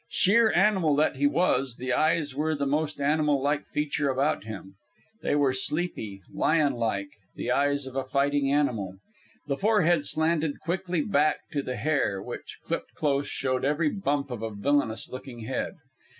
Sheer animal that he was, the eyes were the most animal like feature about him. They were sleepy, lion like the eyes of a fighting animal. The forehead slanted quickly back to the hair, which, clipped close, showed every bump of a villainous looking head.